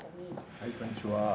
はいこんにちは。